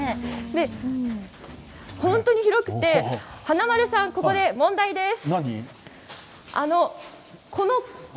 本当に広くて華丸さんここで問題です。